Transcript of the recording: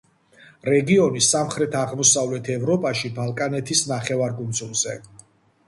რეგიონი სამხრეთ-აღმოსავლეთ ევროპაში, ბალკანეთის ნახევარკუნძულზე.